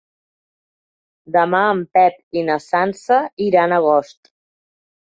Demà en Pep i na Sança iran a Agost.